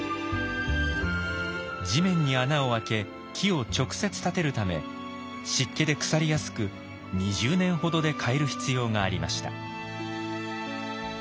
地面に穴を開け木を直接立てるため湿気で腐りやすく２０年ほどで替える必要がありました。